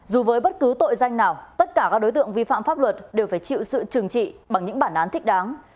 dù với bất cứ tội danh nào tất cả các đối tượng vi phạm pháp luật đều phải chịu sự trừng trị bằng những bản án thích đáng